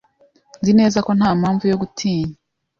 Nzi neza ko nta mpamvu yo gutinya.